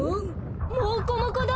モコモコだ！